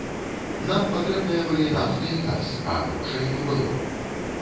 Нам патрэбныя былі нафта і газ, а грошай не было.